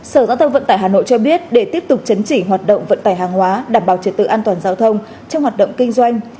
sở giao thông vận tải hà nội cho biết để tiếp tục chấn chỉnh hoạt động vận tải hàng hóa đảm bảo trật tự an toàn giao thông trong hoạt động kinh doanh